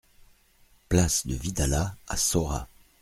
Place de Vidalat à Saurat